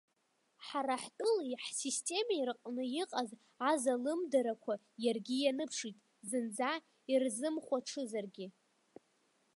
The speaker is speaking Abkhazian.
Ҳара ҳтәылеи ҳсистемеи рҟны иҟаз азалымдарақәа иаргьы ианыԥшит, зынӡа ирзымхәаҽызаргьы.